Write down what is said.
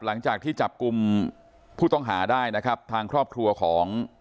หลังจากที่จับกลุ่มผู้ต้องหาได้นะครับทางครอบครัวของ